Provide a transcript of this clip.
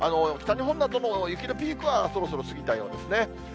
北日本なども、雪のピークはそろそろ過ぎたようですね。